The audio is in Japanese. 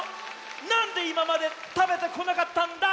なんでいままでたべてこなかったんだ！